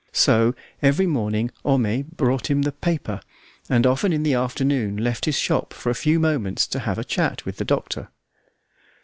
So every morning Homais brought him "the paper," and often in the afternoon left his shop for a few moments to have a chat with the Doctor.